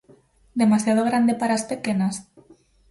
Demasiado grande para as pequenas?